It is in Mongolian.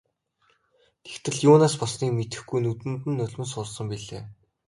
Тэгтэл юунаас болсныг мэдэхгүй нүдэнд нь нулимс хурсан билээ.